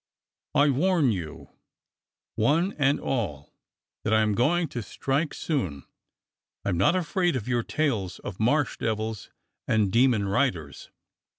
I warn you, one and all, that I'm going to strike soon. I'm not afraid of your tales of Marsh devils and demon riders.